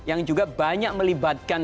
yang juga banyak melibatkan